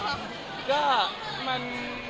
ก็มัน